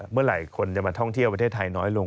เมื่อไหร่คนจะมาท่องเที่ยวประเทศไทยน้อยลง